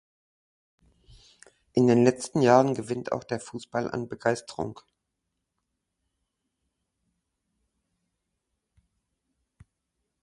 In den letzten Jahren gewinnt auch der Fußball an Begeisterung.